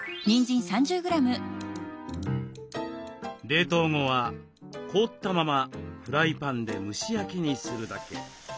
冷凍後は凍ったままフライパンで蒸し焼きにするだけ。